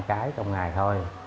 cái trong ngày thôi